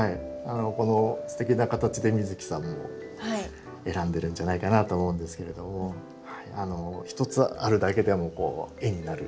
このすてきな形で美月さんも選んでるんじゃないかなと思うんですけれども一つあるだけでもうこう絵になる。